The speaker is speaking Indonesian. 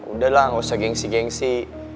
udah lah gak usah gengsi gengsi